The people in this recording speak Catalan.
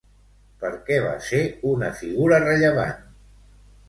Per què va ser una figura rellevant?